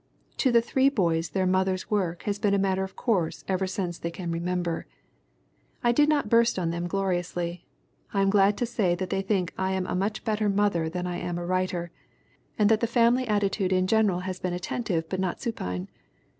To the three boys their mother's work has been a matter of course ever since they can remember. "I did not burst on them gloriously. I am glad to say that they think I am a much better mother than I am a writer, and that the MARY ROBERTS RINEHART 57 family attitude in general has been attentive but not supine.